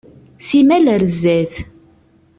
Simmal ar zdat.